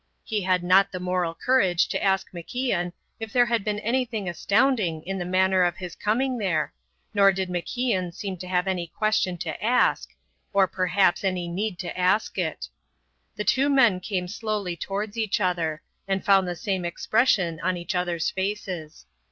He had not the moral courage to ask MacIan if there had been anything astounding in the manner of his coming there, nor did MacIan seem to have any question to ask, or perhaps any need to ask it. The two men came slowly towards each other, and found the same expression on each other's faces.